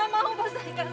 atau saya pakai kekerasan